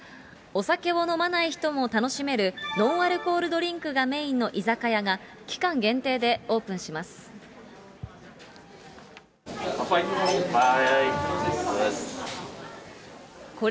お酒を飲まない人も楽しめる、ノンアルコールドリンクがメインの居酒屋が期間限定でオープンし乾杯。